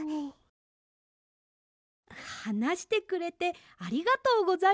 はなしてくれてありがとうございます。